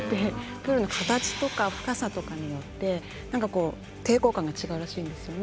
プールの形とか深さとかによって抵抗感が違うらしいんですよね。